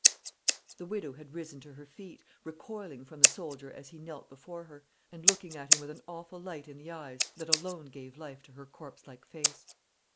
The widow had risen to her feet, recoiling from the soldier as he knelt before her, and looking at him with an awful light in the eyes that alone gave life to her corpse like face.